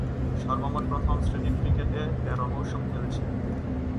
সর্বমোট প্রথম-শ্রেণীর ক্রিকেটে তেরো মৌসুম খেলেছেন।